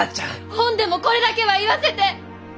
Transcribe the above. ほんでもこれだけは言わせて！